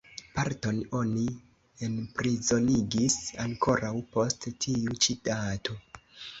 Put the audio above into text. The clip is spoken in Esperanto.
Parton oni enprizonigis ankoraŭ post tiu ĉi dato.